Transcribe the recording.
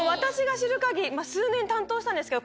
担当したんですけど。